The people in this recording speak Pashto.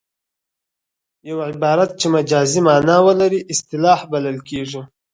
یو عبارت چې مجازي مانا ولري اصطلاح بلل کیږي